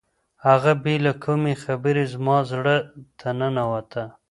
هغه بې له کومې خبرې زما زړه ته ننوته.